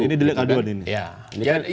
ini delik aduan ini